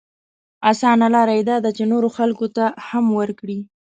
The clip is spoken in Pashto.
اسانه لاره يې دا ده چې نورو خلکو ته هم ورکړي.